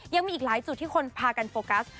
ยังมีอีกหลายจุดที่คนพากันโฟกัส